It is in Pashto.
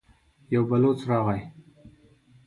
يو بلوڅ راغی.